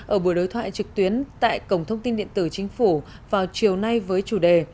ở buổi đối thoại trực tuyến tại cổng thông tin điện tử chính phủ vào chiều nay với chủ đề